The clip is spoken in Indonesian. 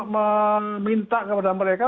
meminta kepada mereka